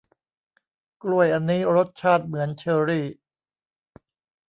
กล้วยอันนี้รสชาติเหมือนเชอร์รี่